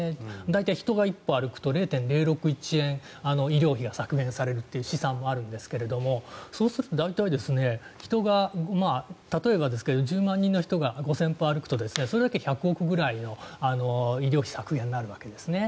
大体人が１歩歩くと０．０６１円医療費が削減されるという試算があるんですがそうすると、例えばですけど大体１０万人の人が５０００歩歩くとそれだけで１００億円ぐらいの医療費削減になるんですね。